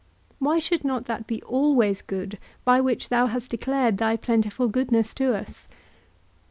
Why should not that be always good by which thou hast declared thy plentiful goodness to us?